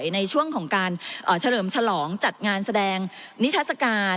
ในช่วงของการเฉลิมฉลองจัดงานแสดงนิทัศกาล